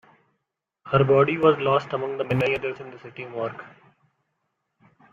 Her body was lost among the many others in the city morgue.